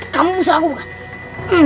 kamu musuh aku kan